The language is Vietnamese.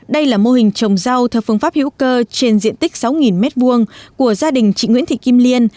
đây là mô hình trồng rau theo phương pháp hữu cơ trên diện tích sáu m hai của gia đình chị nguyễn thị kim liên